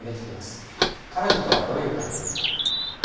彼女とはどういう関係ですか？